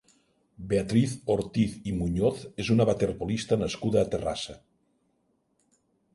Beatriz Ortiz i Muñoz és una waterpolista nascuda a Terrassa.